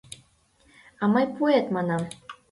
— А мый пуэт, манам!